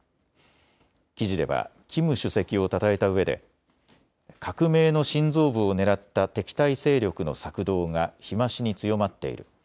記事ではキム主席をたたえたうえで革命の心臓部を狙った敵対勢力の策動が日増しに強まっている。